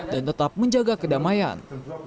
dan tetap menjaga kedamaian